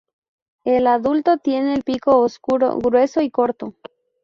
El adulto tiene el pico oscuro, grueso y corto.